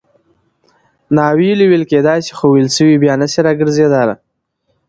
ناویلي ویل کېدای سي؛ خو ویل سوي بیا نه سي راګرځېدلای.